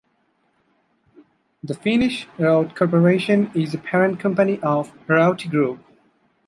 The Finnish Raute Corporation is the parent company of Raute Group.